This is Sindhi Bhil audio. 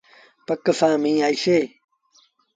پڪ سآݩ ميݩهن آئيٚسي۔